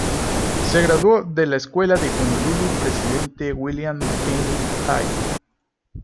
Se graduó de la Escuela de Honolulu Presidente William McKinley High.